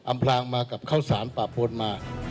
อำพลังมากับข้าวศาลปราบพลมาก